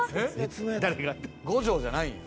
五条じゃないんや。